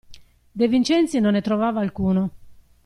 De Vincenzi non ne trovava alcuno.